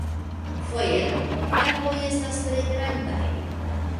Foje la malhelpoj estas tre grandaj!